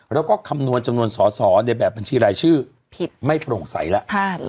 แล้วก็คำนวณจำนวนสอสอในแบบบัญชีรายชื่อผิดไม่โปร่งใสแล้ว